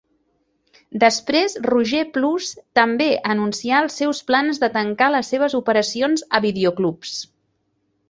Després, Roger Plus també anuncià els seus plans de tancar les seves operacions a videoclubs.